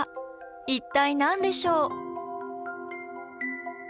一体何でしょう？